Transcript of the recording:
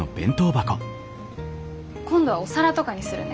今度はお皿とかにするね。